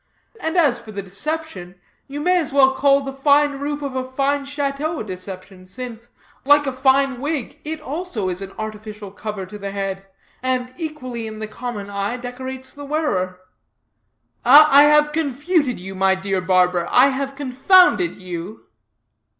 And as for the deception, you may as well call the fine roof of a fine chateau a deception, since, like a fine wig, it also is an artificial cover to the head, and equally, in the common eye, decorates the wearer. I have confuted you, my dear barber; I have confounded you."